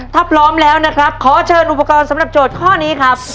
ถ้าพร้อมแล้วนะครับขอเชิญอุปกรณ์สำหรับโจทย์ข้อนี้ครับ